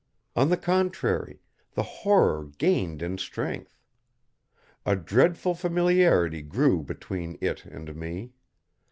On the contrary, the horror gained in strength. A dreadful familiarity grew between It and me.